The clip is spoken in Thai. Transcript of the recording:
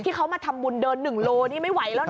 ที่เขามาทำบุญเดิน๑โลนี่ไม่ไหวแล้วนะ